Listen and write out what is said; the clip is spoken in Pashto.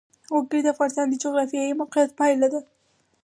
وګړي د افغانستان د جغرافیایي موقیعت پایله ده.